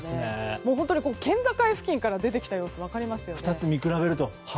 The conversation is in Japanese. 本当に県境付近から出てきた様子が分かりますよね。